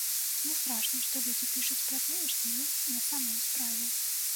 Не страшна, што людзі пішуць пра тое, што ёсць на самой справе.